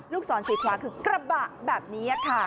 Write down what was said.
ศรสีขวาคือกระบะแบบนี้ค่ะ